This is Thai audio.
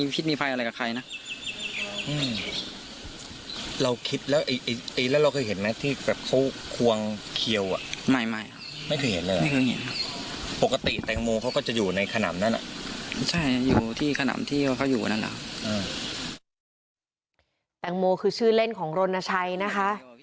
แปลงโมคือชื่อเล่นของโรนาชัยนะคะ